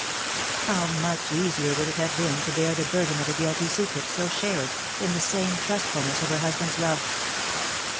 How much easier would it have been to bear the burden of a guilty secret, so shared, in the supreme trustfulness of her husband's love